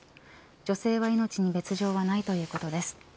女性の命に別条はないということです。